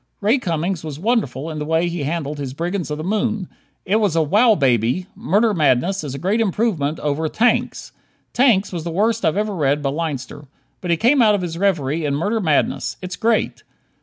Ray Cummings was wonderful in the way he handled his "Brigands of the Moon." It was a "wow baby." "Murder Madness" is a great improvement over "Tanks." "Tanks" was the worst I've ever read by Leinster. But he came out of his reverie in "Murder Madness." It's great.